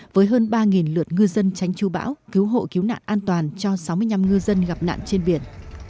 với hơn ba lượt ngư dân tránh chú bão cứu hộ cứu nạn an toàn cho sáu mươi năm ngư dân gặp nạn trên biển